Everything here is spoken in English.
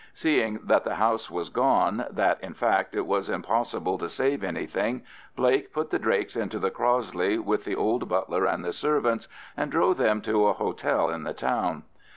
Seeing that the house was gone, that, in fact, it was impossible to save anything, Blake put the Drakes into the Crossley, with the old butler and the servants, and drove them to a hotel in the town.